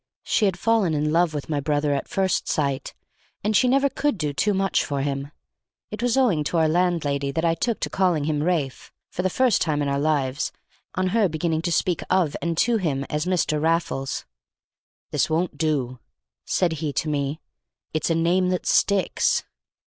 She had fallen in love with my brother at first sight, and she never could do too much for him. It was owing to our landlady that I took to calling him Ralph, for the first time in our lives, on her beginning to speak of and to him as "Mr. Raffles." "This won't do," said he to me. "It's a name that sticks."